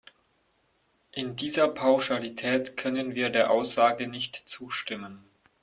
In dieser Pauschalität können wir der Aussage nicht zustimmen.